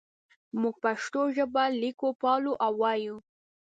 موږ پښتو ژبه لیکو پالو او وایو.